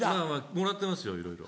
もらってますよいろいろ。